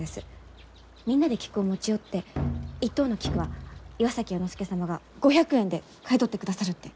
みんなで菊を持ち寄って一等の菊は岩崎弥之助様が５００円で買い取ってくださるって。